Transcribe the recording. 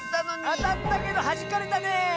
あたったけどはじかれたね。